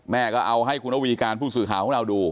แม่ก็เอาให้คุณระวีการผู้สื่อข่าวของเราดู